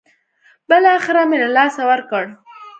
بالاخره مې له لاسه ورکړ.